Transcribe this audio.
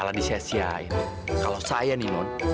belum aja ya sayang ya